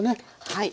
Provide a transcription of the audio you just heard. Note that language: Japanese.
はい。